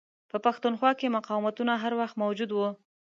په پښتونخوا کې مقاوتونه هر وخت موجود وه.